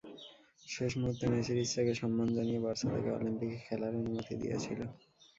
শেষ মুহূর্তে মেসির ইচ্ছাকে সম্মান জানিয়ে বার্সা তাঁকে অলিম্পিকে খেলার অনুমতি দিয়েছিল।